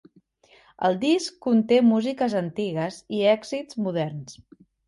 El disc conté músiques antigues i èxits moderns.